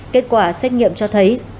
kết quả xét nghiệm cho thấy